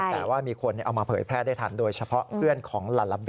แต่ว่ามีคนเอามาเผยแพร่ได้ทันโดยเฉพาะเพื่อนของลาลาเบล